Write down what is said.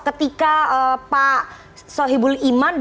ketika pak sohibul iman